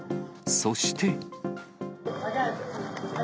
そして。